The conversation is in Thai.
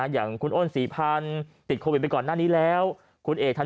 อย่างคุณอ้นศรีพันธ์ติดโควิดไปก่อนหน้านี้แล้วคุณเอกทัน